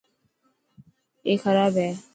اي کراب هي.